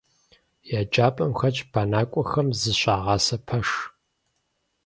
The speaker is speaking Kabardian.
ЕджапӀэм хэтщ бэнакӀуэхэм зыщагъасэ пэш.